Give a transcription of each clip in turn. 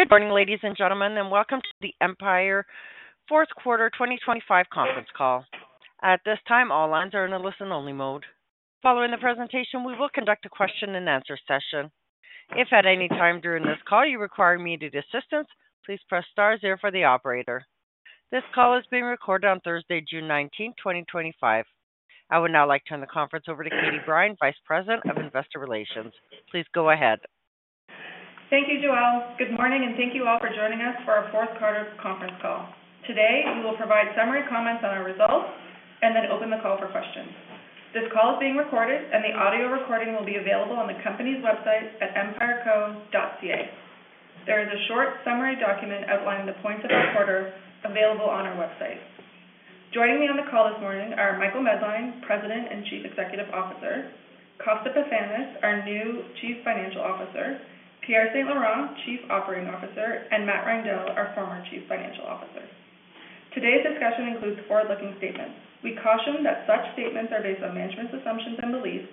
Good morning, ladies and gentlemen, and welcome to the Empire Fourth Quarter 2025 conference call. At this time, all lines are in a listen-only mode. Following the presentation, we will conduct a question-and-answer session. If at any time during this call you require immediate assistance, please press star zero for the operator. This call is being recorded on Thursday, June 19, 2025. I would now like to turn the conference over to Katie Brine, Vice President of Investor Relations. Please go ahead. Thank you, Joelle. Good morning, and thank you all for joining us for our fourth quarter conference call. Today, we will provide summary comments on our results and then open the call for questions. This call is being recorded, and the audio recording will be available on the company's website at empireco.ca. There is a short summary document outlining the points of our quarter available on our website. Joining me on the call this morning are Michael Medline, President and Chief Executive Officer; Costa Pefanis, our new Chief Financial Officer; Pierre St-Laurent, Chief Operating Officer; and Matt Reindel, our former Chief Financial Officer. Today's discussion includes forward-looking statements. We caution that such statements are based on management's assumptions and beliefs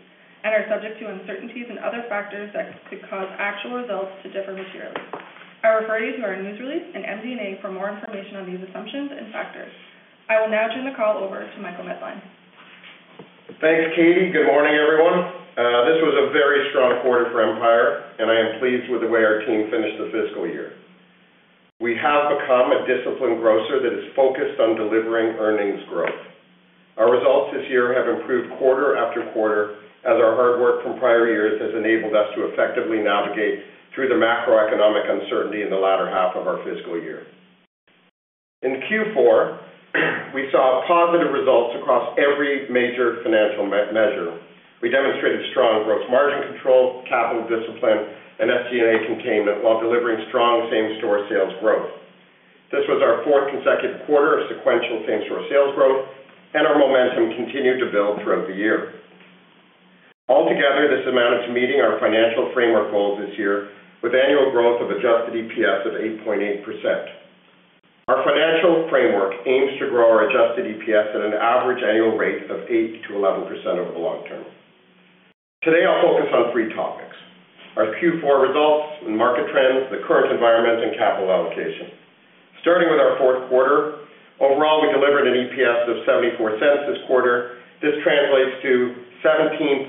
and are subject to uncertainties and other factors that could cause actual results to differ materially. I refer you to our news release and MD&A for more information on these assumptions and factors. I will now turn the call over to Michael Medline. Thanks, Katie. Good morning, everyone. This was a very strong quarter for Empire, and I am pleased with the way our team finished the fiscal year. We have become a disciplined grocer that is focused on delivering earnings growth. Our results this year have improved quarter after quarter as our hard work from prior years has enabled us to effectively navigate through the macroeconomic uncertainty in the latter half of our fiscal year. In Q4, we saw positive results across every major financial measure. We demonstrated strong gross margin control, capital discipline, and FG&A containment while delivering strong same-store sales growth. This was our fourth consecutive quarter of sequential same-store sales growth, and our momentum continued to build throughout the year. Altogether, this amounted to meeting our financial framework goals this year with annual growth of adjusted EPS of 8.8%. Our financial framework aims to grow our adjusted EPS at an average annual rate of 8%-11% over the long term. Today, I'll focus on three topics: our Q4 results, market trends, the current environment, and capital allocation. Starting with our fourth quarter, overall, we delivered an EPS of $0.74 this quarter. This translates to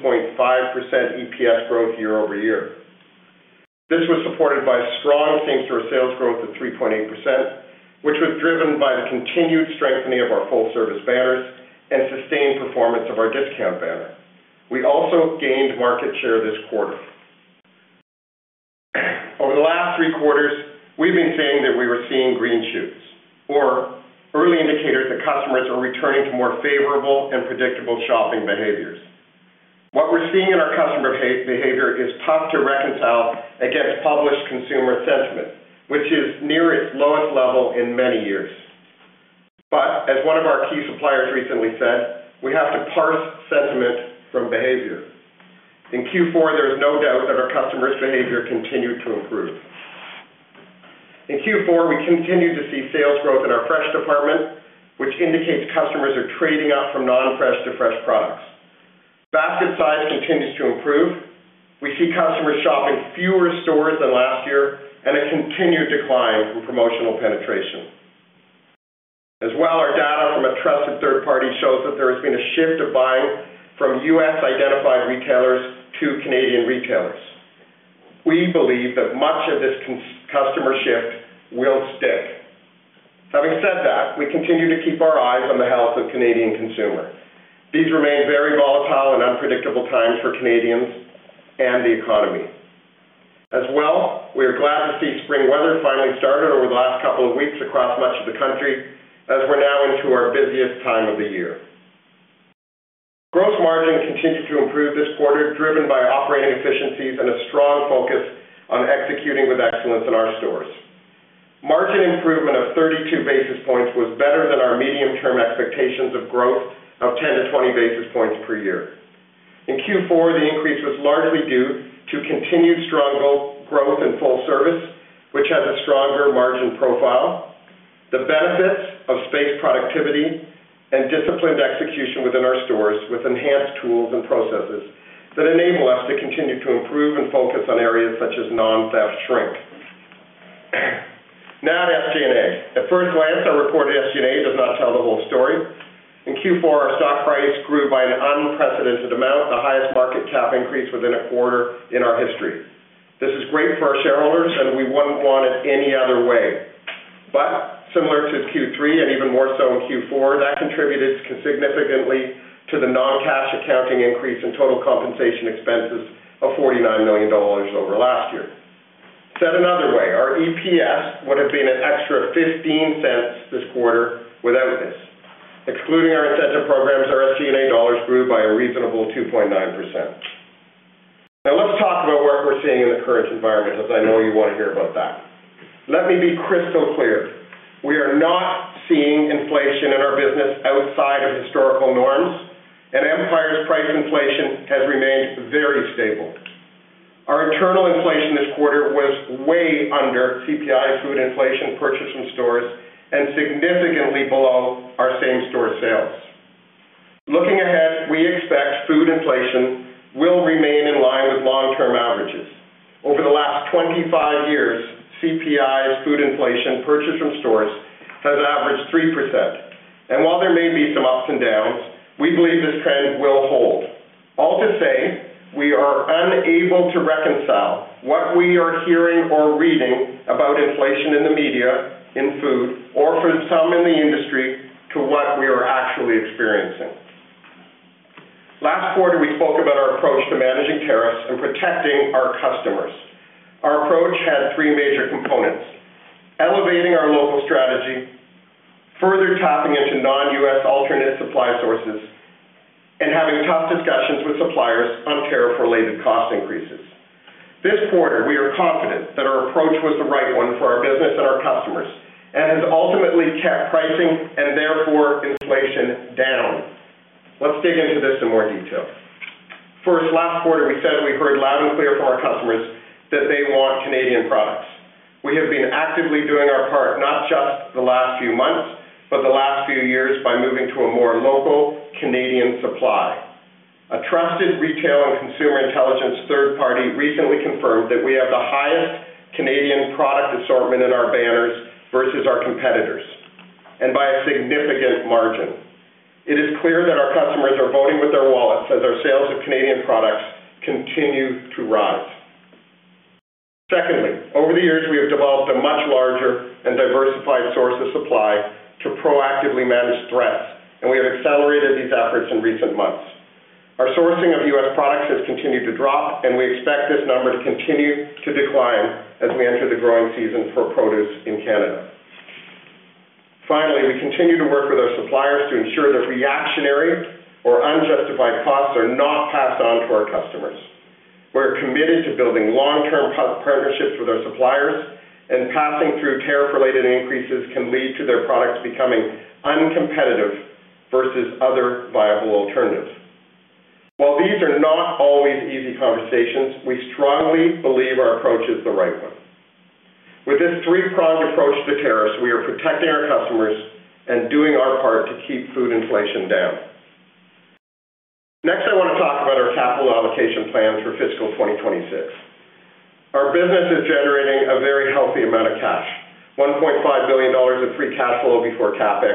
17.5% EPS growth year over year. This was supported by strong same-store sales growth of 3.8%, which was driven by the continued strengthening of our full-service banners and sustained performance of our discount banner. We also gained market share this quarter. Over the last three quarters, we've been saying that we were seeing green shoots, or early indicators that customers are returning to more favorable and predictable shopping behaviors. What we're seeing in our customer behavior is tough to reconcile against published consumer sentiment, which is near its lowest level in many years. As one of our key suppliers recently said, we have to parse sentiment from behavior. In Q4, there is no doubt that our customers' behavior continued to improve. In Q4, we continued to see sales growth in our fresh department, which indicates customers are trading up from non-fresh to fresh products. Basket size continues to improve. We see customers shopping fewer stores than last year and a continued decline in promotional penetration. As well, our data from a trusted third party shows that there has been a shift of buying from U.S.-identified retailers to Canadian retailers. We believe that much of this customer shift will stick. Having said that, we continue to keep our eyes on the health of the Canadian consumer. These remain very volatile and unpredictable times for Canadians and the economy. As well, we are glad to see spring weather finally started over the last couple of weeks across much of the country as we're now into our busiest time of the year. Gross margin continued to improve this quarter, driven by operating efficiencies and a strong focus on executing with excellence in our stores. Margin improvement of 32 basis points was better than our medium-term expectations of growth of 10-20 basis points per year. In Q4, the increase was largely due to continued strong growth in full service, which has a stronger margin profile, the benefits of space productivity, and disciplined execution within our stores with enhanced tools and processes that enable us to continue to improve and focus on areas such as non-theft shrink. Now to FG&A. At first glance, our reported FG&A does not tell the whole story. In Q4, our stock price grew by an unprecedented amount, the highest market cap increase within a quarter in our history. This is great for our shareholders, and we would not want it any other way. Similar to Q3 and even more so in Q4, that contributed significantly to the non-cash accounting increase in total compensation expenses of $49 million over last year. Said another way, our EPS would have been an extra $0.15 this quarter without this. Excluding our incentive programs, our FG&A dollars grew by a reasonable 2.9%. Now, let's talk about what we are seeing in the current environment, as I know you want to hear about that. Let me be crystal clear. We are not seeing inflation in our business outside of historical norms, and Empire's price inflation has remained very stable. Our internal inflation this quarter was way under CPI, food inflation, purchase from stores, and significantly below our same-store sales. Looking ahead, we expect food inflation will remain in line with long-term averages. Over the last 25 years, CPI, food inflation, purchase from stores has averaged 3%. While there may be some ups and downs, we believe this trend will hold. All to say, we are unable to reconcile what we are hearing or reading about inflation in the media, in food, or for some in the industry to what we are actually experiencing. Last quarter, we spoke about our approach to managing tariffs and protecting our customers. Our approach had three major components: elevating our local strategy, further tapping into non-U.S. alternate supply sources, and having tough discussions with suppliers on tariff-related cost increases. This quarter, we are confident that our approach was the right one for our business and our customers and has ultimately kept pricing and therefore inflation down. Let's dig into this in more detail. For this last quarter, we said we heard loud and clear from our customers that they want Canadian products. We have been actively doing our part, not just the last few months, but the last few years by moving to a more local Canadian supply. A trusted retail and consumer intelligence third party recently confirmed that we have the highest Canadian product assortment in our banners versus our competitors, and by a significant margin. It is clear that our customers are voting with their wallets as our sales of Canadian products continue to rise. Secondly, over the years, we have developed a much larger and diversified source of supply to proactively manage threats, and we have accelerated these efforts in recent months. Our sourcing of U.S. products has continued to drop, and we expect this number to continue to decline as we enter the growing season for produce in Canada. Finally, we continue to work with our suppliers to ensure that reactionary or unjustified costs are not passed on to our customers. We're committed to building long-term partnerships with our suppliers, and passing through tariff-related increases can lead to their products becoming uncompetitive versus other viable alternatives. While these are not always easy conversations, we strongly believe our approach is the right one. With this three-pronged approach to tariffs, we are protecting our customers and doing our part to keep food inflation down. Next, I want to talk about our capital allocation plans for fiscal 2026. Our business is generating a very healthy amount of cash, $1.5 billion of free cash flow before CapEx,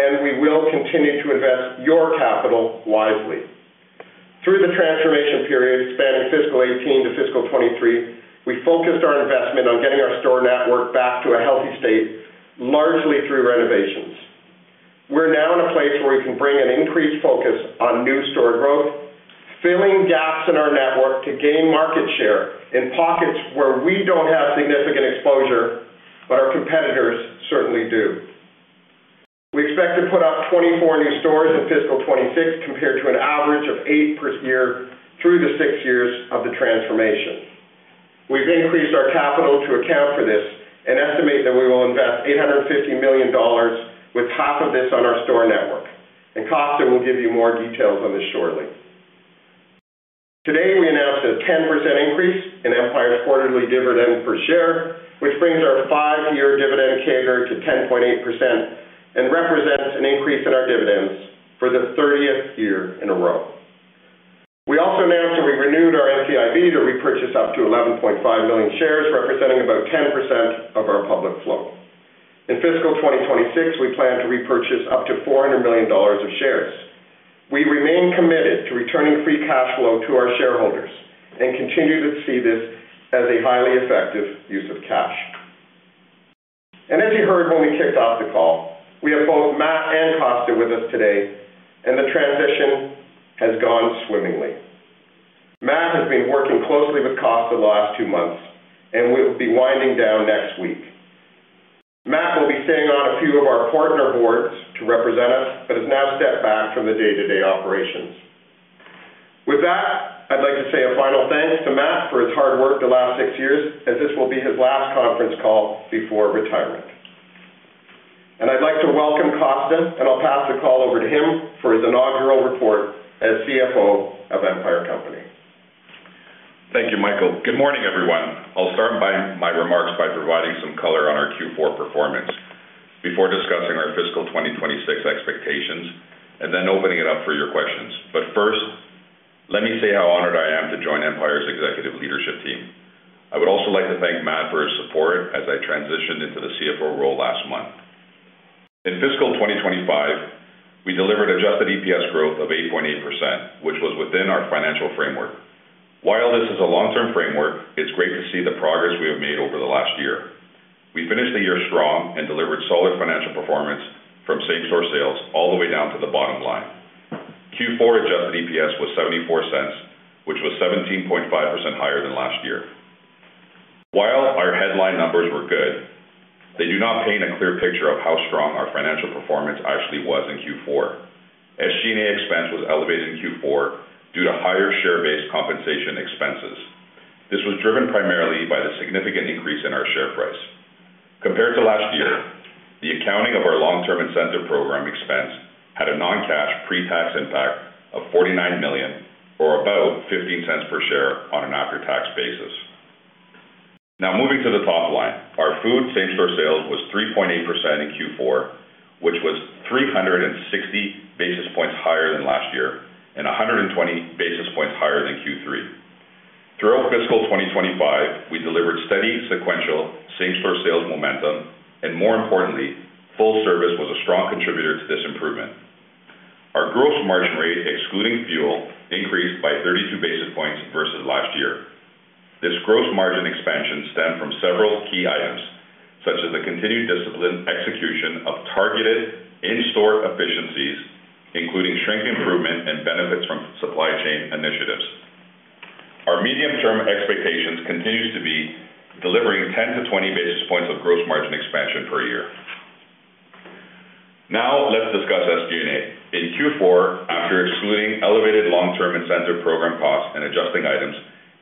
and we will continue to invest your capital wisely. Through the transformation period spanning fiscal 2018 to fiscal 2023, we focused our investment on getting our store network back to a healthy state, largely through renovations. We're now in a place where we can bring an increased focus on new store growth, filling gaps in our network to gain market share in pockets where we don't have significant exposure, but our competitors certainly do. We expect to put up 24 new stores in fiscal 2026 compared to an average of eight per year through the six years of the transformation. We've increased our capital to account for this and estimate that we will invest $850 million, with half of this on our store network. Costa will give you more details on this shortly. Today, we announced a 10% increase in Empire's quarterly dividend per share, which brings our five-year dividend CAGR to 10.8% and represents an increase in our dividends for the 30th year in a row. We also announced that we renewed our NCIB to repurchase up to 11.5 million shares, representing about 10% of our public float. In fiscal 2026, we plan to repurchase up to $400 million of shares. We remain committed to returning free cash flow to our shareholders and continue to see this as a highly effective use of cash. As you heard when we kicked off the call, we have both Matt and Costa with us today, and the transition has gone swimmingly. Matt has been working closely with Costa the last two months and will be winding down next week. Matt will be staying on a few of our partner boards to represent us but has now stepped back from the day-to-day operations. With that, I'd like to say a final thanks to Matt for his hard work the last six years, as this will be his last conference call before retirement. I'd like to welcome Costa, and I'll pass the call over to him for his inaugural report as CFO of Empire Company. Thank you, Michael. Good morning, everyone. I'll start my remarks by providing some color on our Q4 performance before discussing our fiscal 2026 expectations and then opening it up for your questions. First, let me say how honored I am to join Empire's executive leadership team. I would also like to thank Matt for his support as I transitioned into the CFO role last month. In fiscal 2025, we delivered adjusted EPS growth of 8.8%, which was within our financial framework. While this is a long-term framework, it's great to see the progress we have made over the last year. We finished the year strong and delivered solid financial performance from same-store sales all the way down to the bottom line. Q4 adjusted EPS was $0.74, which was 17.5% higher than last year. While our headline numbers were good, they do not paint a clear picture of how strong our financial performance actually was in Q4. FG&A expense was elevated in Q4 due to higher share-based compensation expenses. This was driven primarily by the significant increase in our share price. Compared to last year, the accounting of our long-term incentive program expense had a non-cash pre-tax impact of $49 million, or about $0.15 per share on an after-tax basis. Now, moving to the top line, our food same-store sales was 3.8% in Q4, which was 360 basis points higher than last year and 120 basis points higher than Q3. Throughout fiscal 2025, we delivered steady sequential same-store sales momentum, and more importantly, full service was a strong contributor to this improvement. Our gross margin rate, excluding fuel, increased by 32 basis points versus last year. This gross margin expansion stemmed from several key items, such as the continued disciplined execution of targeted in-store efficiencies, including shrink improvement and benefits from supply chain initiatives. Our medium-term expectations continue to be delivering 10-20 basis points of gross margin expansion per year. Now, let's discuss FG&A. In Q4, after excluding elevated long-term incentive program costs and adjusting items,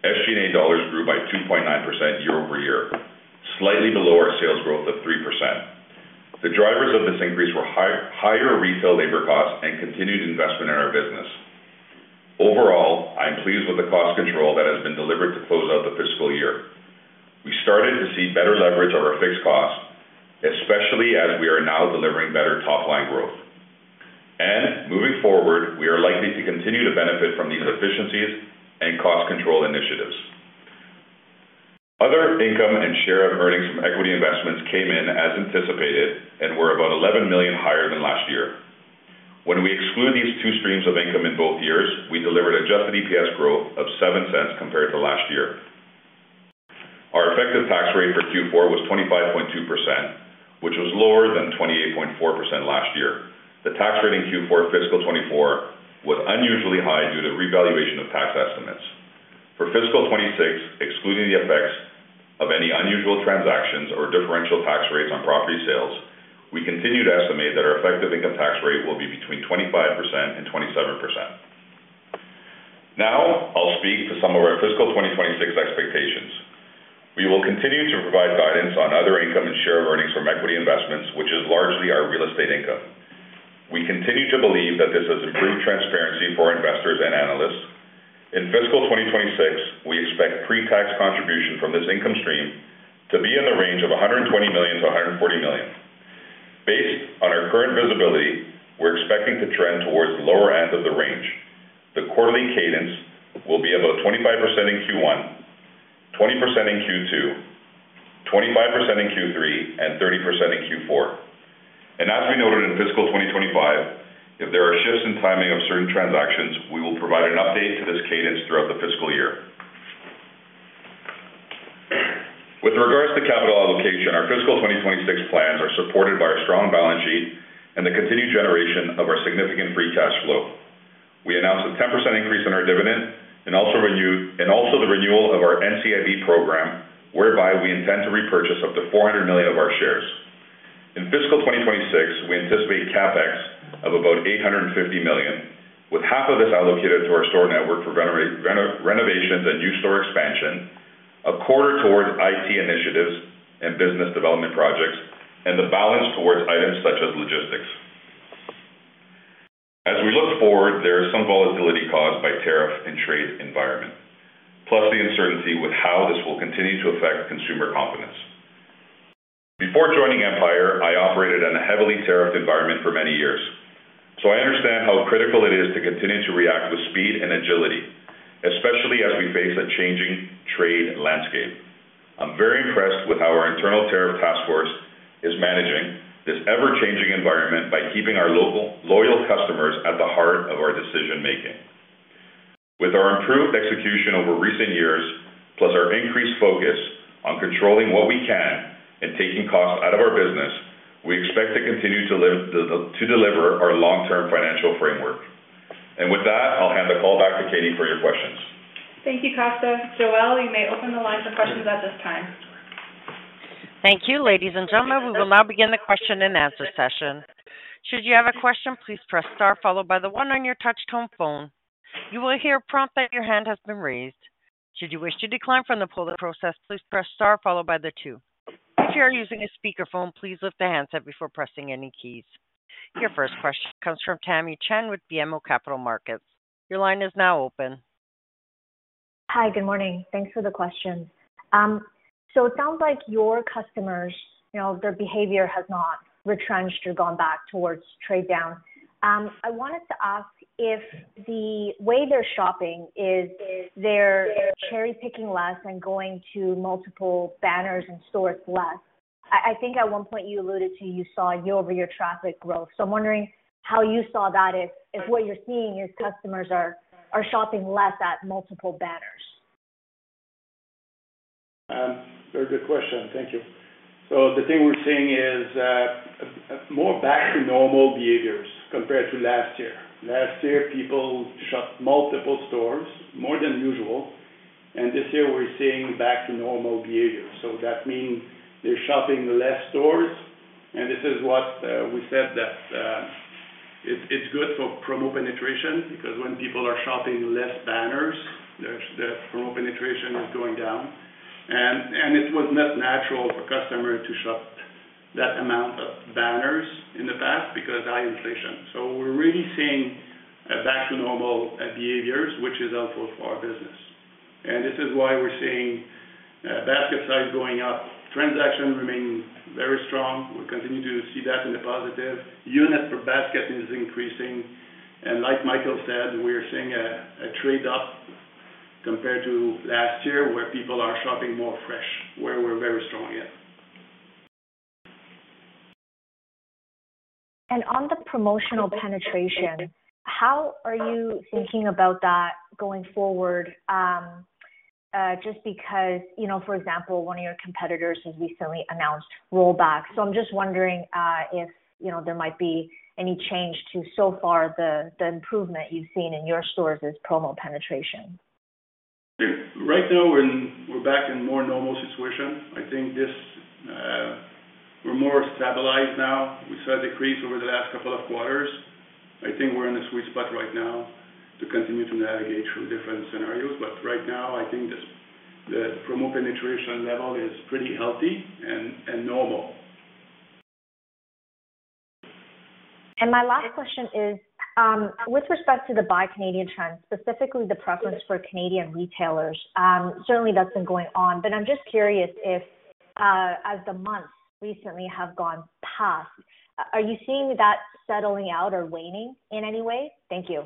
FG&A dollars grew by 2.9% year over year, slightly below our sales growth of 3%. The drivers of this increase were higher retail labor costs and continued investment in our business. Overall, I'm pleased with the cost control that has been delivered to close out the fiscal year. We started to see better leverage of our fixed costs, especially as we are now delivering better top-line growth. Moving forward, we are likely to continue to benefit from these efficiencies and cost control initiatives. Other income and share of earnings from equity investments came in as anticipated and were about $11 million higher than last year. When we exclude these two streams of income in both years, we delivered adjusted EPS growth of $0.07 compared to last year. Our effective tax rate for Q4 was 25.2%, which was lower than 28.4% last year. The tax rate in Q4 fiscal 2024 was unusually high due to revaluation of tax estimates. For fiscal 2026, excluding the effects of any unusual transactions or differential tax rates on property sales, we continue to estimate that our effective income tax rate will be between 25% and 27%. Now, I'll speak to some of our fiscal 2026 expectations. We will continue to provide guidance on other income and share of earnings from equity investments, which is largely our real estate income. We continue to believe that this has improved transparency for investors and analysts. In fiscal 2026, we expect pre-tax contribution from this income stream to be in the range of $120 million-$140 million. Based on our current visibility, we're expecting to trend towards the lower end of the range. The quarterly cadence will be about 25% in Q1, 20% in Q2, 25% in Q3, and 30% in Q4. As we noted in fiscal 2025, if there are shifts in timing of certain transactions, we will provide an update to this cadence throughout the fiscal year. With regards to capital allocation, our fiscal 2026 plans are supported by our strong balance sheet and the continued generation of our significant free cash flow. We announced a 10% increase in our dividend and also the renewal of our NCIB program, whereby we intend to repurchase up to 400 million of our shares. In fiscal 2026, we anticipate CapEx of about 850 million, with half of this allocated to our store network for renovations and new store expansion, a quarter towards IT initiatives and business development projects, and the balance towards items such as logistics. As we look forward, there is some volatility caused by the tariff and trade environment, plus the uncertainty with how this will continue to affect consumer confidence. Before joining Empire, I operated in a heavily tariffed environment for many years, so I understand how critical it is to continue to react with speed and agility, especially as we face a changing trade landscape. I'm very impressed with how our internal tariff task force is managing this ever-changing environment by keeping our loyal customers at the heart of our decision-making. With our improved execution over recent years, plus our increased focus on controlling what we can and taking costs out of our business, we expect to continue to deliver our long-term financial framework. With that, I'll hand the call back to Katie for your questions. Thank you, Costa. Joelle, you may open the line for questions at this time. Thank you. Ladies and gentlemen, we will now begin the question and answer session. Should you have a question, please press star followed by the one on your touch-tone phone. You will hear a prompt that your hand has been raised. Should you wish to decline from the poll process, please press star followed by the two. If you are using a speakerphone, please lift the handset before pressing any keys. Your first question comes from Tamy Chen with BMO Capital Markets. Your line is now open. Hi, good morning. Thanks for the question. It sounds like your customers, their behavior has not retrenched or gone back towards trade down. I wanted to ask if the way they're shopping is they're cherry-picking less and going to multiple banners and stores less. I think at one point you alluded to you saw year-over-year traffic growth. I am wondering how you saw that if what you're seeing is customers are shopping less at multiple banners. Very good question. Thank you. The thing we're seeing is more back-to-normal behaviors compared to last year. Last year, people shopped multiple stores, more than usual, and this year we're seeing back-to-normal behavior. That means they're shopping less stores, and this is what we said that it's good for promo penetration because when people are shopping less banners, the promo penetration is going down. It was not natural for customers to shop that amount of banners in the past because of high inflation. We're really seeing back-to-normal behaviors, which is helpful for our business. This is why we're seeing basket size going up. Transactions remain very strong. We continue to see that in the positive. Units per basket is increasing. Like Michael said, we are seeing a trade-up compared to last year where people are shopping more fresh, where we're very strong yet. On the promotional penetration, how are you thinking about that going forward just because, for example, one of your competitors has recently announced rollback? I am just wondering if there might be any change to so far the improvement you have seen in your stores in promo penetration. Right now, we're back in a more normal situation. I think we're more stabilized now. We saw a decrease over the last couple of quarters. I think we're in a sweet spot right now to continue to navigate through different scenarios. Right now, I think the promo penetration level is pretty healthy and normal. My last question is, with respect to the buy Canadian trend, specifically the preference for Canadian retailers, certainly that's been going on. I'm just curious if, as the months recently have gone past, are you seeing that settling out or waning in any way? Thank you.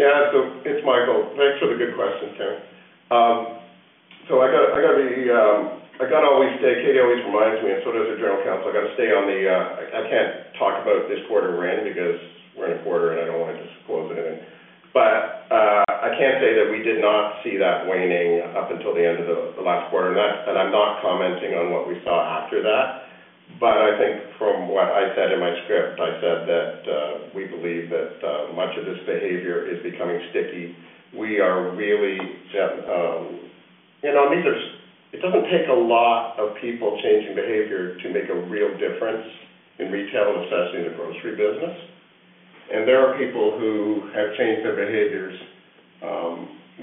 Yeah, so it's Michael. Thanks for the good question, Ken. I got to be—I got to always stay. Katie always reminds me, and so does the general counsel. I got to stay on the—I can't talk about this quarter we're in because we're in a quarter, and I don't want to disclose anything. I can't say that we did not see that waning up until the end of the last quarter. I'm not commenting on what we saw after that. I think from what I said in my script, I said that we believe that much of this behavior is becoming sticky. We are really—and on these—it doesn't take a lot of people changing behavior to make a real difference in retail, especially in the grocery business. There are people who have changed their behaviors,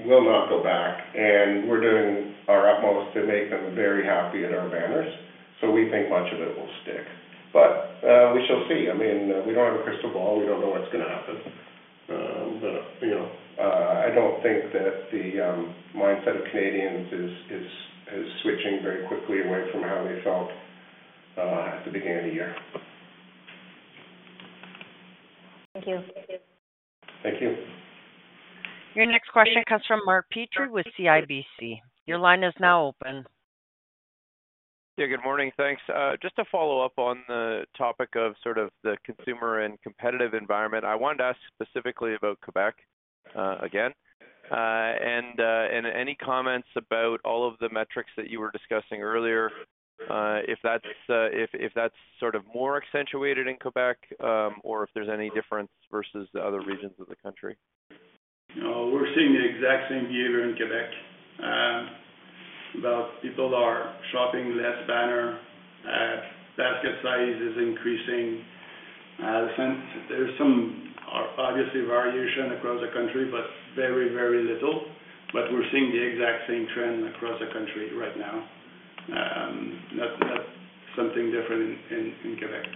will not go back. We're doing our utmost to make them very happy at our banners. We think much of it will stick. We shall see. I mean, we don't have a crystal ball. We don't know what's going to happen. I don't think that the mindset of Canadians is switching very quickly away from how they felt at the beginning of the year. Thank you. Thank you. Your next question comes from Mark Petrie with CIBC. Your line is now open. Yeah, good morning. Thanks. Just to follow up on the topic of sort of the consumer and competitive environment, I wanted to ask specifically about Quebec again. Any comments about all of the metrics that you were discussing earlier, if that's sort of more accentuated in Quebec, or if there's any difference versus the other regions of the country? We're seeing the exact same behavior in Quebec. People are shopping less banner. Basket size is increasing. There's some obviously variation across the country, very, very little. We're seeing the exact same trend across the country right now. Not something different in Quebec.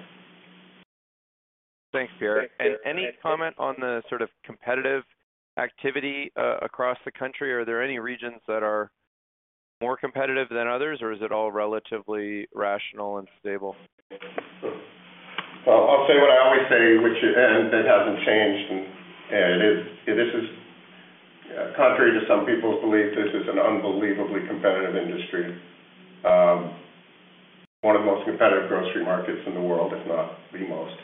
Thanks, Pierre. Any comment on the sort of competitive activity across the country? Are there any regions that are more competitive than others, or is it all relatively rational and stable? I will say what I always say, and it has not changed. This is contrary to some people's belief. This is an unbelievably competitive industry. One of the most competitive grocery markets in the world, if not the most.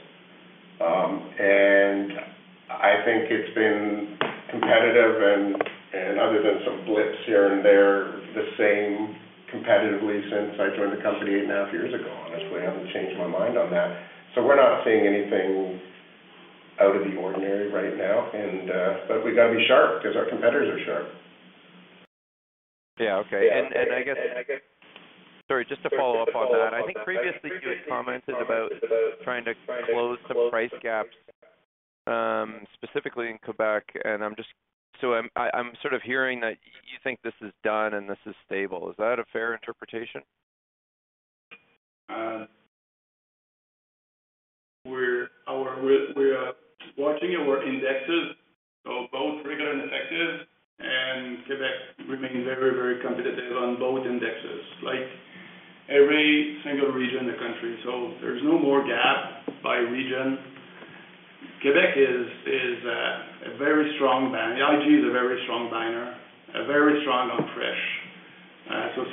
I think it has been competitive, and other than some blips here and there, the same competitively since I joined the company eight and a half years ago. Honestly, I have not changed my mind on that. We are not seeing anything out of the ordinary right now. We have to be sharp because our competitors are sharp. Yeah, okay. I guess—sorry, just to follow up on that. I think previously you had commented about trying to close some price gaps, specifically in Quebec. I am just—so I am sort of hearing that you think this is done and this is stable. Is that a fair interpretation? We're watching our indexes, both regular and effective. Quebec remains very, very competitive on both indexes, like every single region in the country. There is no more gap by region. Quebec is a very strong banner. IGA is a very strong banner, very strong on fresh.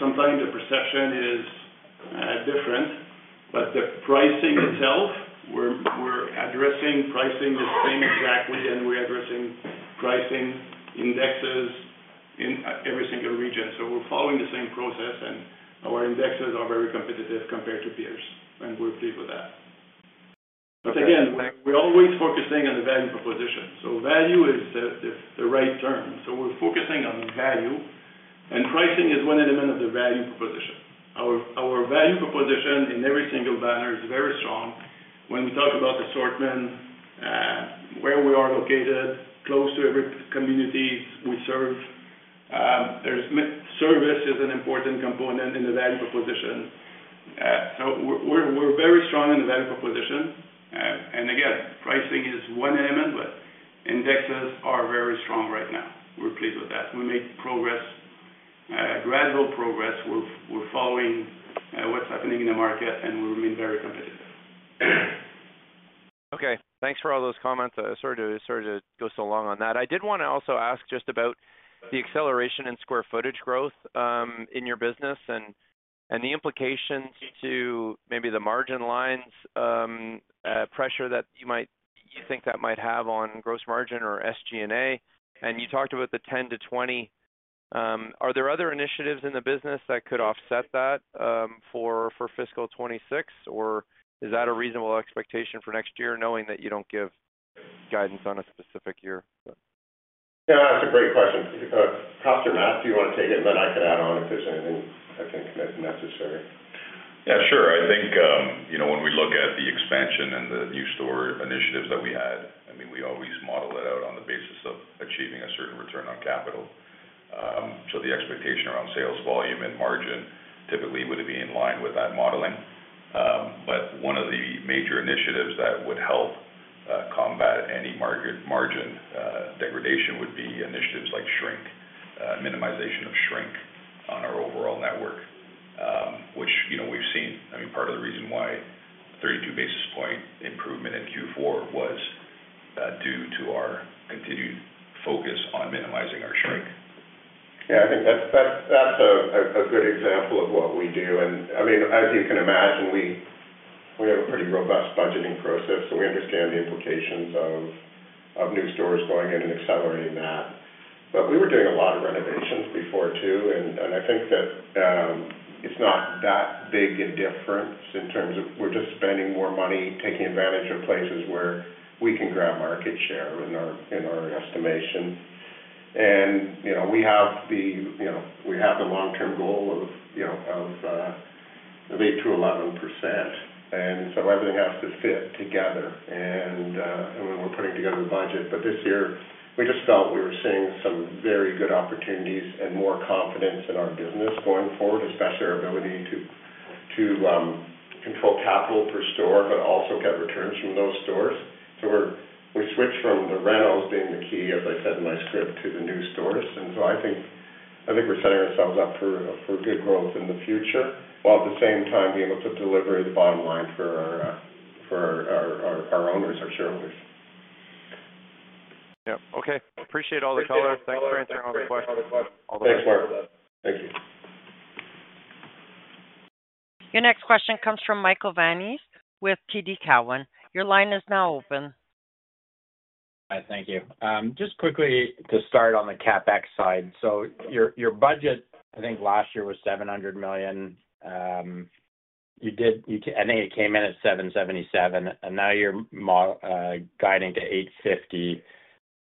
Sometimes the perception is different, but the pricing itself, we're addressing pricing the same exact way, and we're addressing pricing indexes in every single region. We're following the same process, and our indexes are very competitive compared to peers. We're pleased with that. Again, we're always focusing on the value proposition. Value is the right term. We're focusing on value, and pricing is one element of the value proposition. Our value proposition in every single banner is very strong. When we talk about assortment, where we are located, close to every community we serve, service is an important component in the value proposition. We are very strong in the value proposition. Pricing is one element, but indexes are very strong right now. We are pleased with that. We make progress, gradual progress. We are following what is happening in the market, and we remain very competitive. Okay. Thanks for all those comments. Sorry to go so long on that. I did want to also ask just about the acceleration in square footage growth in your business and the implications to maybe the margin lines pressure that you think that might have on gross margin or SG&A. You talked about the 10-20. Are there other initiatives in the business that could offset that for fiscal 2026, or is that a reasonable expectation for next year knowing that you do not give guidance on a specific year? Yeah, that's a great question. Costa, Matt, do you want to take it? I can add on if there's anything I think that's necessary. Yeah, sure. I think when we look at the expansion and the new store initiatives that we had, I mean, we always model that out on the basis of achieving a certain return on capital. So the expectation around sales volume and margin typically would be in line with that modeling. But one of the major initiatives that would help combat any margin degradation would be initiatives like shrink, minimization of shrink on our overall network, which we've seen. I mean, part of the reason why 32 basis point improvement in Q4 was due to our continued focus on minimizing our shrink. Yeah, I think that's a good example of what we do. I mean, as you can imagine, we have a pretty robust budgeting process, so we understand the implications of new stores going in and accelerating that. We were doing a lot of renovations before too. I think that it's not that big a difference in terms of we're just spending more money taking advantage of places where we can grab market share in our estimation. We have the long-term goal of 8-11%. Everything has to fit together when we're putting together the budget. This year, we just felt we were seeing some very good opportunities and more confidence in our business going forward, especially our ability to control capital per store, but also get returns from those stores. We switched from the rentals being the key, as I said in my script, to the new stores. I think we're setting ourselves up for good growth in the future while at the same time being able to deliver the bottom line for our owners, our shareholders. Yeah. Okay. Appreciate all the color. Thanks for answering all the questions. Thanks, Mark. Thank you. Your next question comes from Michael Van Aelst with TD Cowen. Your line is now open. Thank you. Just quickly to start on the CapEx side. Your budget, I think last year was $700 million. I think it came in at $777 million. Now you're guiding to $850 million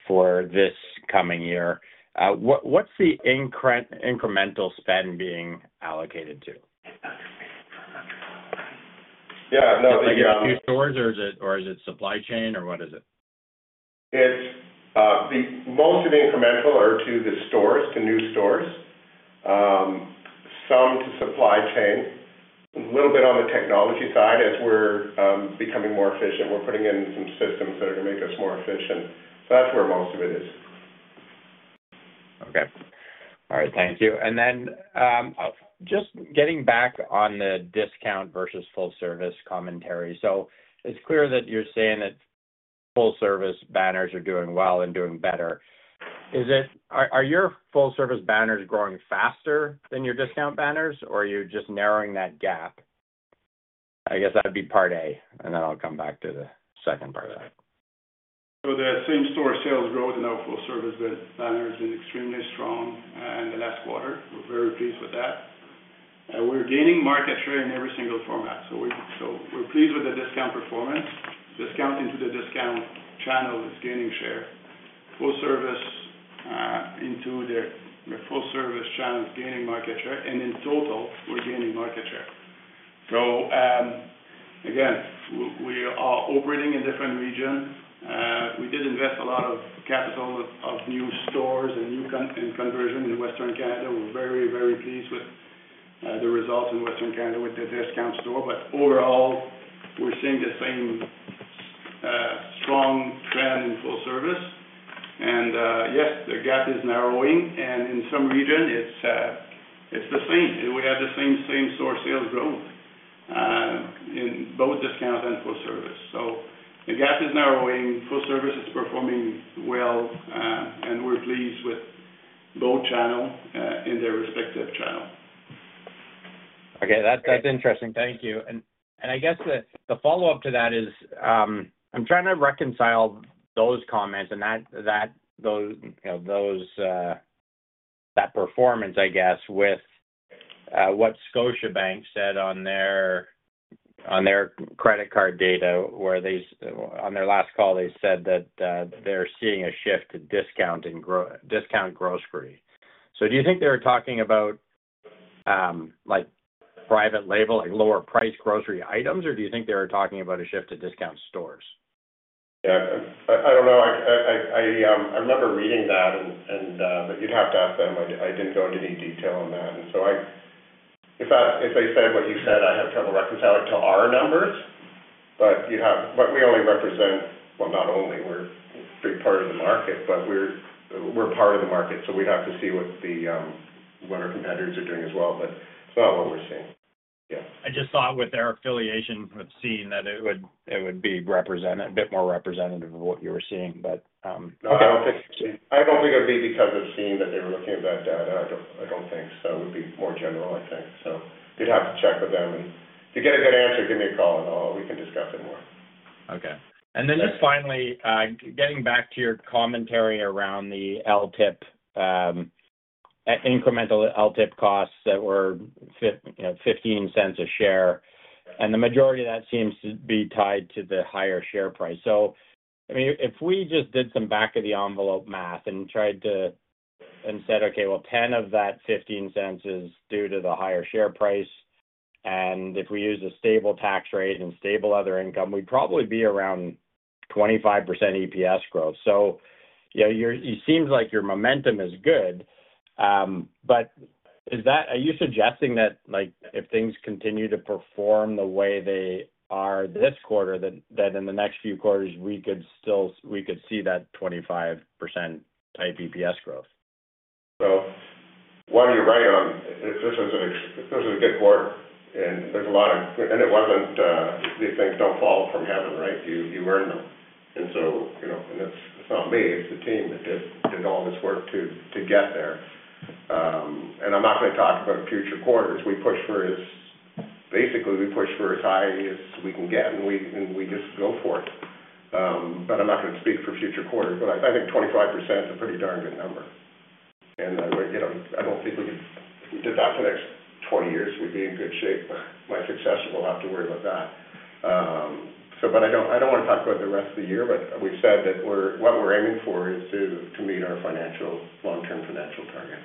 for this coming year. What's the incremental spend being allocated to? Yeah. Is it for new stores or is it supply chain or what is it? The most of the incremental are to the stores, to new stores, some to supply chain, a little bit on the technology side as we're becoming more efficient. We're putting in some systems that are going to make us more efficient. That's where most of it is. Okay. All right. Thank you. And then just getting back on the discount versus full-service commentary. It is clear that you're saying that full-service banners are doing well and doing better. Are your full-service banners growing faster than your discount banners, or are you just narrowing that gap? I guess that would be part A, and then I'll come back to the second part of that. The same store sales growth in our full-service banners have been extremely strong in the last quarter. We're very pleased with that. We're gaining market share in every single format. We're pleased with the discount performance. Discount into the discount channel is gaining share. Full-service into the full-service channel is gaining market share. In total, we're gaining market share. We are operating in different regions. We did invest a lot of capital in new stores and new conversion in Western Canada. We're very, very pleased with the results in Western Canada with the discount store. Overall, we're seeing the same strong trend in full-service. Yes, the gap is narrowing. In some regions, it's the same. We have the same store sales growth in both discount and full-service. The gap is narrowing. Full-service is performing well. We're pleased with both channels in their respective channel. Okay. That's interesting. Thank you. I guess the follow-up to that is I'm trying to reconcile those comments and that performance, I guess, with what Scotiabank said on their credit card data where on their last call, they said that they're seeing a shift to discount grocery. Do you think they were talking about private label, like lower-priced grocery items, or do you think they were talking about a shift to discount stores? Yeah. I don't know. I remember reading that, but you'd have to ask them. I didn't go into any detail on that. If they said what you said, I have trouble reconciling to our numbers. We only represent, well, not only. We're a big part of the market, but we're part of the market. We'd have to see what our competitors are doing as well. It's not what we're seeing. I just thought with their affiliation with Sobeys Inc. that it would be a bit more representative of what you were seeing, but. I don't think it would be because of SIEN that they were looking at that data. I don't think so. It would be more general, I think. You'd have to check with them. If you get a good answer, give me a call, and we can discuss it more. Okay. And then just finally, getting back to your commentary around the incremental LTIP costs that were $0.15 a share. And the majority of that seems to be tied to the higher share price. So I mean, if we just did some back-of-the-envelope math and said, "Okay, well, $0.10 of that $0.15 is due to the higher share price. And if we use a stable tax rate and stable other income, we'd probably be around 25% EPS growth." So it seems like your momentum is good. But are you suggesting that if things continue to perform the way they are this quarter, that in the next few quarters, we could still see that 25%-type EPS growth? You're right on. This was a good quarter. There's a lot of, and it wasn't, these things don't fall from heaven, right? You earn them. It's not me. It's the team that did all this work to get there. I'm not going to talk about future quarters. Basically, we push for as high as we can get, and we just go for it. I'm not going to speak for future quarters. I think 25% is a pretty darn good number. I don't think we could do that for the next 20 years. We'd be in good shape. My successor will have to worry about that. I don't want to talk about the rest of the year, but we've said that what we're aiming for is to meet our long-term financial target.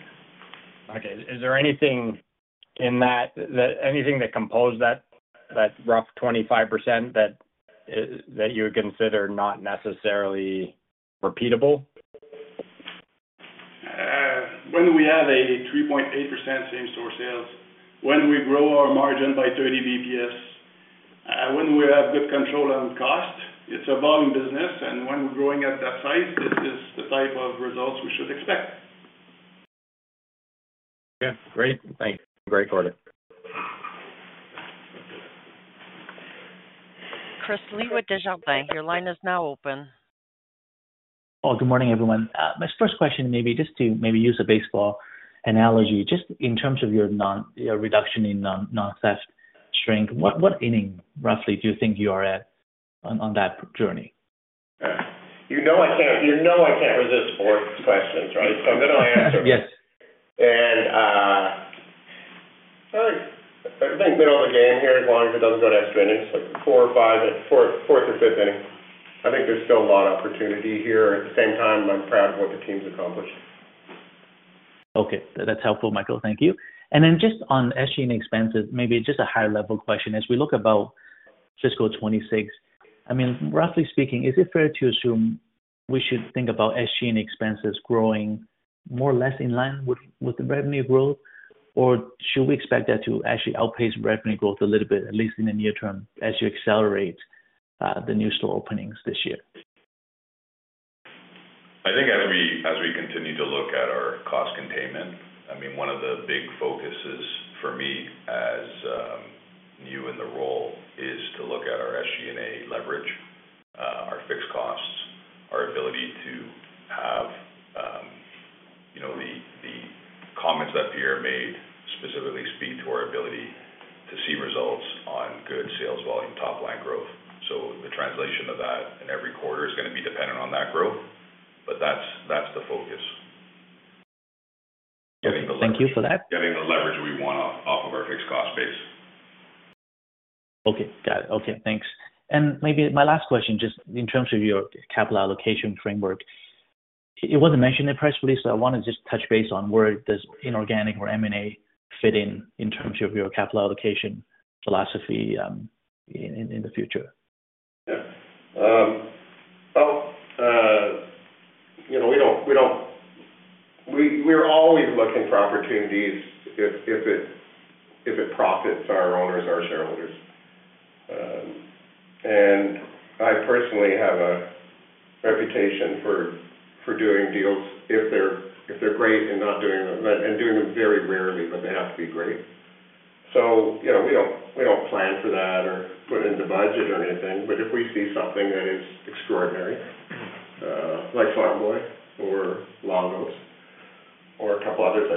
Okay. Is there anything in that, anything that composed that rough 25% that you would consider not necessarily repeatable? When we have a 3.8% same-store sales, when we grow our margin by 30 basis points, when we have good control on cost, it's a volume business. When we're growing at that size, this is the type of results we should expect. Okay. Great. Thanks. Great quarter. Chris Li with Digital Bank. Your line is now open. Oh, good morning, everyone. My first question may be just to maybe use a baseball analogy. Just in terms of your reduction in non-theft shrink, what inning, roughly, do you think you are at on that journey? You know I can't resist boring questions, right? So I'm going to answer. Yes. I think middle of the game here, as long as it doesn't go to SG&A, like fourth or fifth inning, I think there's still a lot of opportunity here. At the same time, I'm proud of what the team's accomplished. Okay. That's helpful, Michael. Thank you. And then just on SG&A expenses, maybe just a higher-level question. As we look about fiscal 2026, I mean, roughly speaking, is it fair to assume we should think about SG&A expenses growing more or less in line with the revenue growth, or should we expect that to actually outpace revenue growth a little bit, at least in the near term, as you accelerate the new store openings this year? I think as we continue to look at our cost containment, I mean, one of the big focuses for me as new in the role is to look at our SG&A leverage, our fixed costs, our ability to have the comments that Pierre made specifically speak to our ability to see results on good sales volume, top-line growth. The translation of that in every quarter is going to be dependent on that growth. That is the focus. Thank you for that. Getting the leverage we want off of our fixed cost base. Okay. Got it. Okay. Thanks. Maybe my last question, just in terms of your capital allocation framework. It wasn't mentioned in the press release, but I want to just touch base on where does inorganic or M&A fit in in terms of your capital allocation philosophy in the future? Yeah. We are always looking for opportunities if it profits our owners, our shareholders. I personally have a reputation for doing deals if they are great and not doing them and doing them very rarely, but they have to be great. We do not plan for that or put it in the budget or anything. If we see something that is extraordinary, like Farm Boy or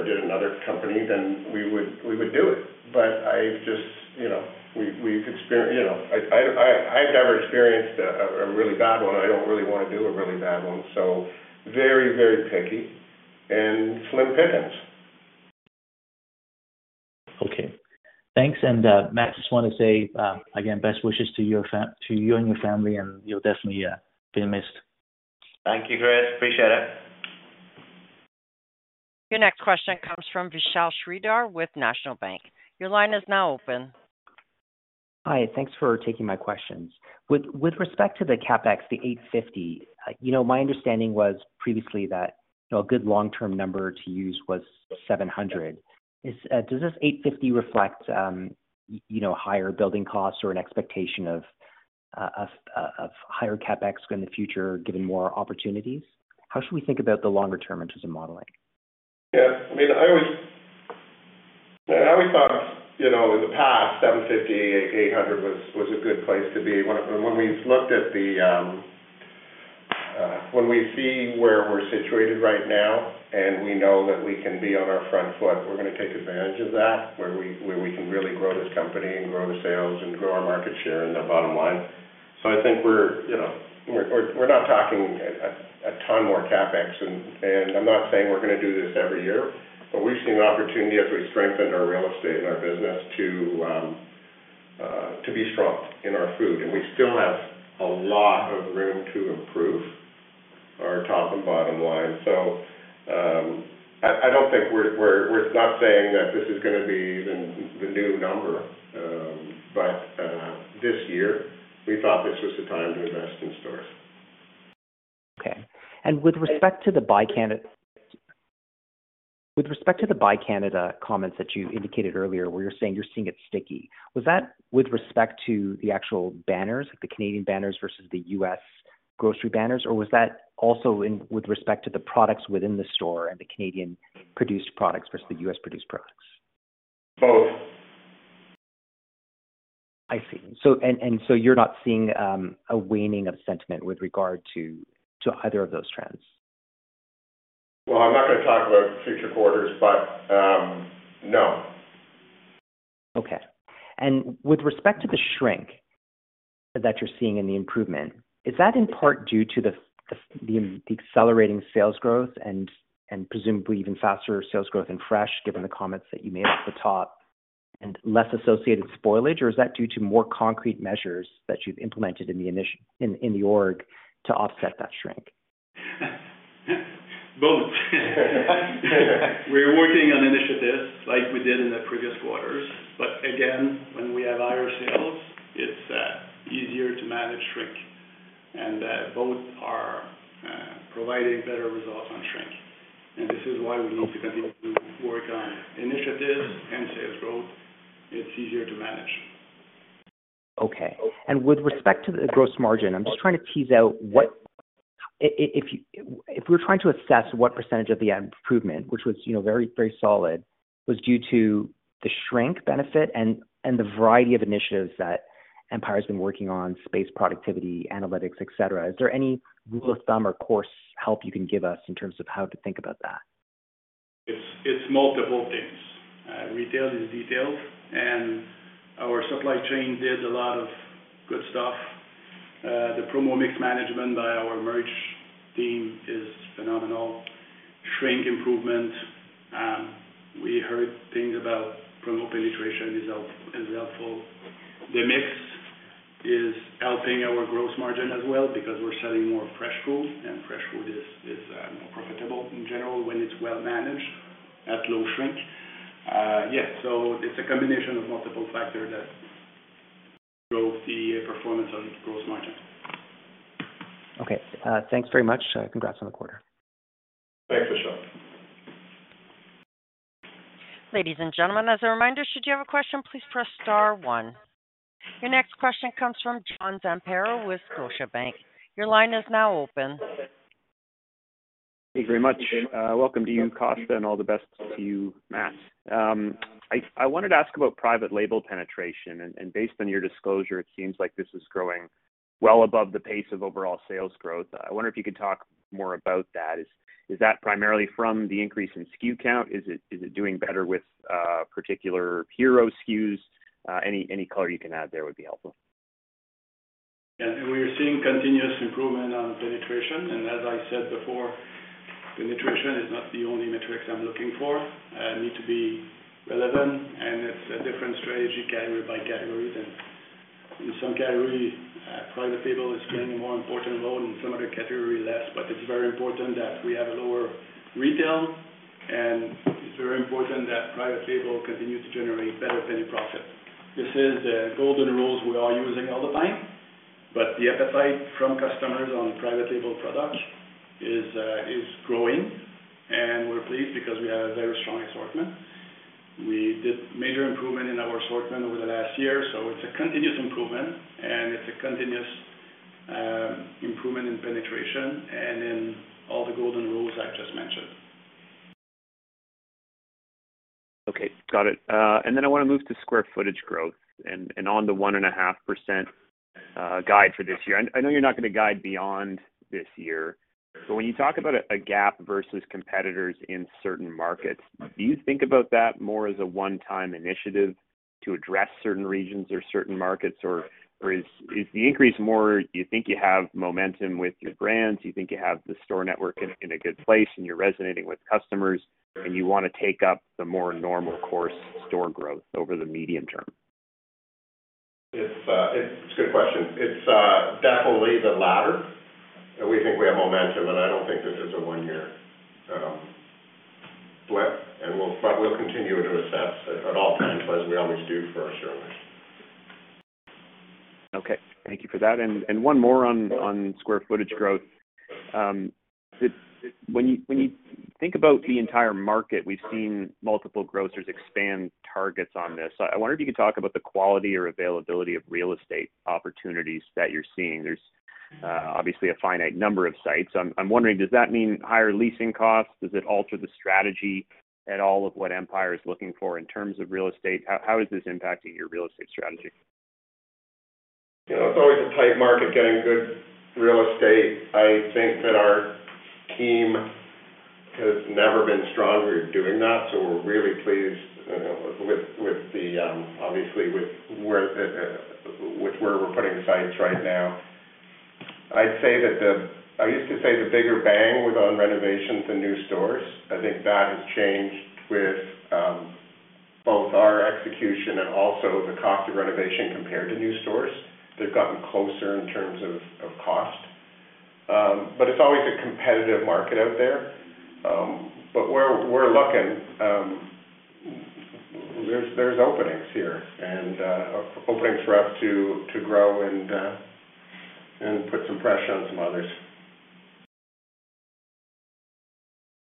Lagos or a couple others I did in another company, then we would do it. I just, we have experienced, I have never experienced a really bad one. I do not really want to do a really bad one. Very, very picky and slim pickings. Okay. Thanks. Matt, just want to say, again, best wishes to you and your family, and you'll definitely be missed. Thank you, Chris. Appreciate it. Your next question comes from Vishal Shreedhar with National Bank. Your line is now open. Hi. Thanks for taking my questions. With respect to the CapEx, the 850, my understanding was previously that a good long-term number to use was 700. Does this 850 reflect higher building costs or an expectation of higher CapEx in the future, given more opportunities? How should we think about the longer-term interest in modeling? Yeah. I mean, I always thought in the past, 750-800 was a good place to be. When we've looked at the when we see where we're situated right now and we know that we can be on our front foot, we're going to take advantage of that where we can really grow this company and grow the sales and grow our market share and the bottom line. I think we're not talking a ton more CapEx. I'm not saying we're going to do this every year, but we've seen the opportunity as we've strengthened our real estate and our business to be strong in our food. We still have a lot of room to improve our top and bottom line. I don't think we're not saying that this is going to be the new number. This year, we thought this was the time to invest in stores. Okay. With respect to the Buy Canada, with respect to the Buy Canada comments that you indicated earlier, where you're saying you're seeing it sticky, was that with respect to the actual banners, the Canadian banners versus the U.S. grocery banners, or was that also with respect to the products within the store and the Canadian-produced products versus the U.S.-produced products? Both. I see. And so you're not seeing a waning of sentiment with regard to either of those trends? I'm not going to talk about future quarters, but no. Okay. With respect to the shrink that you're seeing in the improvement, is that in part due to the accelerating sales growth and presumably even faster sales growth in fresh, given the comments that you made at the top, and less associated spoilage, or is that due to more concrete measures that you've implemented in the org to offset that shrink? Both. We're working on initiatives like we did in the previous quarters. When we have higher sales, it's easier to manage shrink. Both are providing better results on shrink. This is why we need to continue to work on initiatives and sales growth. It's easier to manage. Okay. With respect to the gross margin, I'm just trying to tease out if we're trying to assess what percentage of the improvement, which was very, very solid, was due to the shrink benefit and the variety of initiatives that Empire has been working on, space productivity, analytics, etc., is there any rule of thumb or course help you can give us in terms of how to think about that? It's multiple things. Retail is detailed. And our supply chain did a lot of good stuff. The promo mix management by our merch team is phenomenal. Shrink improvement. We heard things about promo penetration is helpful. The mix is helping our gross margin as well because we're selling more fresh food, and fresh food is more profitable in general when it's well managed at low shrink. Yeah. So it's a combination of multiple factors that drove the performance of the gross margin. Okay. Thanks very much. Congrats on the quarter. Thanks, Vishal. Ladies and gentlemen, as a reminder, should you have a question, please press star one. Your next question comes from John Zamparo with Scotiabank. Your line is now open. Thank you very much. Welcome to you, Costa, and all the best to you, Matt. I wanted to ask about private label penetration. And based on your disclosure, it seems like this is growing well above the pace of overall sales growth. I wonder if you could talk more about that. Is that primarily from the increase in SKU count? Is it doing better with particular hero SKUs? Any color you can add there would be helpful. Yeah. We are seeing continuous improvement on penetration. As I said before, penetration is not the only metric I'm looking for. It needs to be relevant. It is a different strategy category by category. In some categories, private label is playing a more important role and in some other categories less. It is very important that we have a lower retail. It is very important that private label continues to generate better penny profit. These are the golden rules we are using all the time. The appetite from customers on private label products is growing. We are pleased because we have a very strong assortment. We did major improvement in our assortment over the last year. It is a continuous improvement. It is a continuous improvement in penetration and in all the golden rules I just mentioned. Okay. Got it. I want to move to square footage growth and on the 1.5% guide for this year. I know you're not going to guide beyond this year. When you talk about a gap versus competitors in certain markets, do you think about that more as a one-time initiative to address certain regions or certain markets? Is the increase more you think you have momentum with your brands, you think you have the store network in a good place, and you're resonating with customers, and you want to take up the more normal course store growth over the medium term? It's a good question. It's definitely the latter. We think we have momentum, and I don't think this is a one-year flip. We will continue to assess at all times, as we always do for our shareholders. Okay. Thank you for that. One more on square footage growth. When you think about the entire market, we've seen multiple grocers expand targets on this. I wonder if you could talk about the quality or availability of real estate opportunities that you're seeing. There's obviously a finite number of sites. I'm wondering, does that mean higher leasing costs? Does it alter the strategy at all of what Empire is looking for in terms of real estate? How is this impacting your real estate strategy? Yeah. It's always a tight market getting good real estate. I think that our team has never been stronger at doing that. So we're really pleased with, obviously, with where we're putting sites right now. I'd say that I used to say the bigger bang was on renovations and new stores. I think that has changed with both our execution and also the cost of renovation compared to new stores. They've gotten closer in terms of cost. It's always a competitive market out there. We're lucky. There's openings here and openings for us to grow and put some pressure on some others.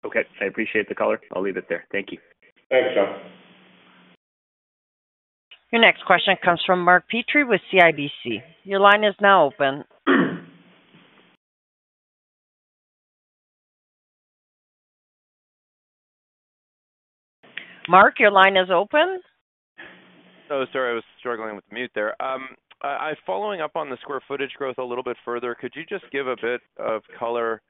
Okay. I appreciate the color. I'll leave it there. Thank you. Thanks, John. Your next question comes from Mark Petrie with CIBC. Your line is now open. Mark, your line is open. Sorry, I was struggling with the mute there. Following up on the square footage growth a little bit further, could you just give a bit of color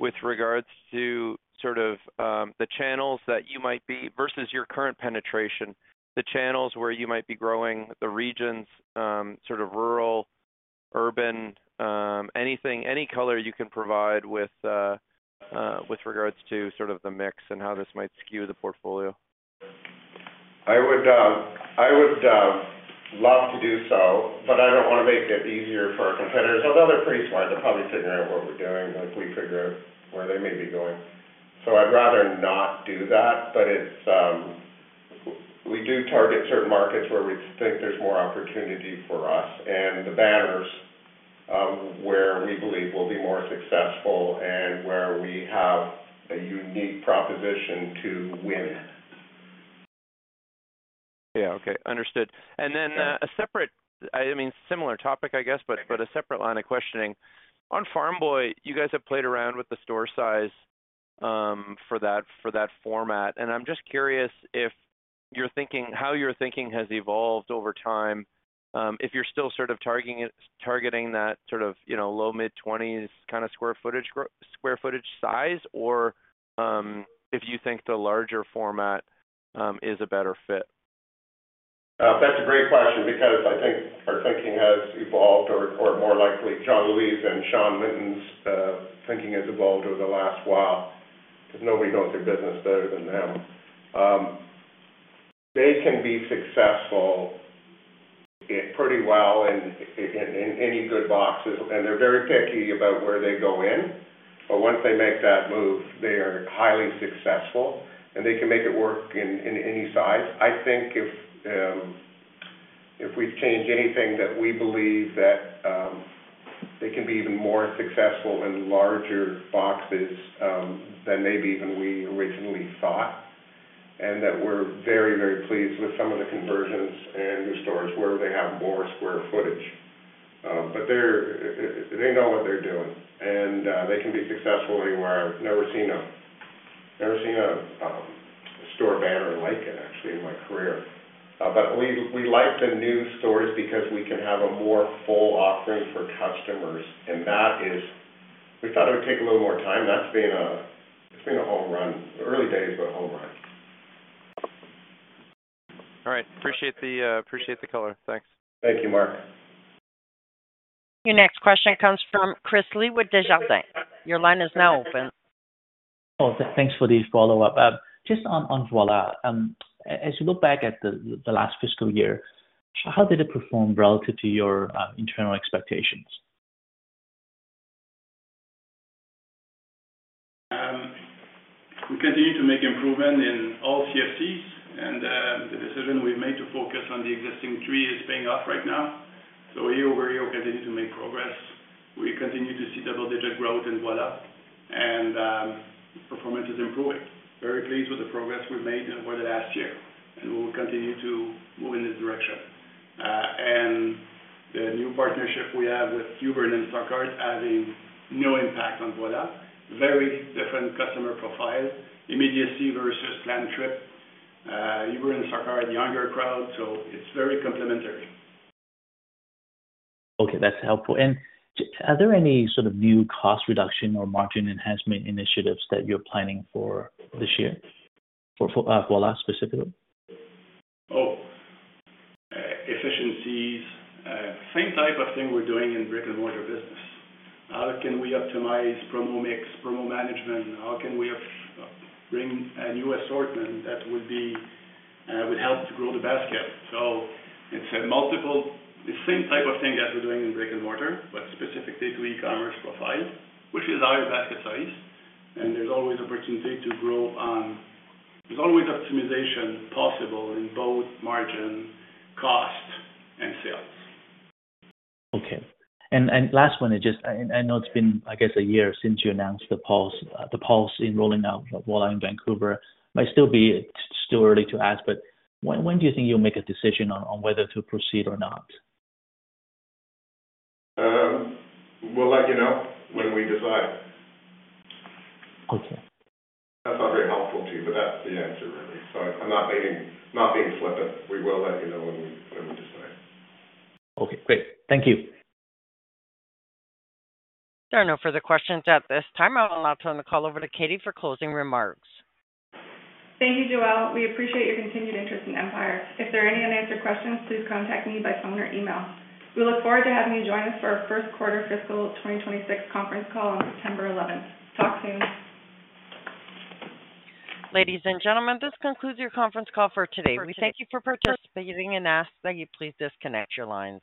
with regards to sort of the channels that you might be versus your current penetration, the channels where you might be growing, the regions, sort of rural, urban, any color you can provide with regards to sort of the mix and how this might skew the portfolio? I would love to do so, but I don't want to make it easier for our competitors. Although they're pretty smart. They're probably figuring out what we're doing like we figure out where they may be going. I would rather not do that. We do target certain markets where we think there's more opportunity for us and the banners where we believe we'll be more successful and where we have a unique proposition to win. Yeah. Okay. Understood. I mean, similar topic, I guess, but a separate line of questioning. On Farm Boy, you guys have played around with the store size for that format. I am just curious if your thinking has evolved over time, if you are still sort of targeting that sort of low mid-20s kind of square footage size, or if you think the larger format is a better fit. That's a great question because I think our thinking has evolved or more likely John Luise and Sean Minton's thinking has evolved over the last while because nobody knows their business better than them. They can be successful pretty well in any good boxes. They're very picky about where they go in. Once they make that move, they are highly successful. They can make it work in any size. I think if we change anything, we believe that they can be even more successful in larger boxes than maybe even we originally thought and that we're very, very pleased with some of the conversions and the stores where they have more square footage. They know what they're doing. They can be successful anywhere. I've never seen a store banner like it, actually, in my career. We like the new stores because we can have a more full offering for customers. We thought it would take a little more time. That's been a home run. Early days, but a home run. All right. Appreciate the color. Thanks. Thank you, Mark. Your next question comes from Chris Li with Desjardins. Your line is now open. Oh, thanks for the follow-up. Just on Voilà, as you look back at the last fiscal year, how did it perform relative to your internal expectations? We continue to make improvement in all CFCs. The decision we've made to focus on the existing three is paying off right now. Year over year, we're able to continue to make progress. We continue to see double-digit growth in Voilà, and performance is improving. Very pleased with the progress we've made over the last year. We'll continue to move in this direction. The new partnership we have with Uber and Instacart is having no impact on Voilà. Very different customer profile, immediacy versus planned trip. Uber and Instacart are a younger crowd, so it's very complementary. Okay. That's helpful. Are there any sort of new cost reduction or margin enhancement initiatives that you're planning for this year for Voilà specifically? Oh. Efficiencies. Same type of thing we're doing in brick-and-mortar business. How can we optimize promo mix, promo management? How can we bring a new assortment that would help to grow the basket? It is a multiple same type of thing that we're doing in brick-and-mortar, but specifically to e-commerce profile, which is our basket size. There is always opportunity to grow on, there is always optimization possible in both margin, cost, and sales. Okay. Last one, I know it's been, I guess, a year since you announced the pause in rolling out Voilà in Vancouver. It might still be too early to ask, but when do you think you'll make a decision on whether to proceed or not? We'll let you know when we decide. Okay. That's not very helpful to you, but that's the answer, really. I'm not being flippant. We will let you know when we decide. Okay. Great. Thank you. There are no further questions at this time. I'll now turn the call over to Katie for closing remarks. Thank you, Joelle. We appreciate your continued interest in Empire. If there are any unanswered questions, please contact me by phone or email. We look forward to having you join us for our first quarter fiscal 2026 conference call on September 11. Talk soon. Ladies and gentlemen, this concludes your conference call for today. We thank you for participating and ask that you please disconnect your lines.